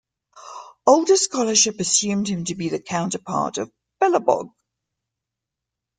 Older scholarship assumed him to be the counterpart of Belobog.